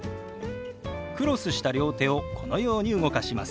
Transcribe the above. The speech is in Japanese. クロスした両手をこのように動かします。